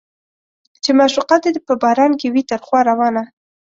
چې معشوقه دې په باران کې وي تر خوا روانه